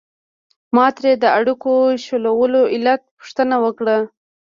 ما ترې د اړیکو شلولو علت پوښتنه وکړه.